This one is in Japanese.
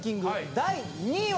第２位は。